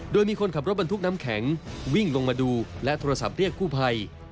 โดยมีคนขับรถบรรทุกน้ำแข็งวิ่งลงมาดูและโทรศัพท์เรียกกู้ภัย